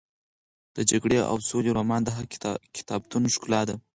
د جګړې او سولې رومان د هر کتابتون ښکلا ده.